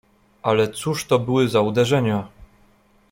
"Ale cóż to były za uderzenia!"